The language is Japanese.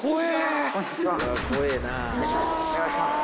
お願いします。